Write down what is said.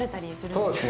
そうですね。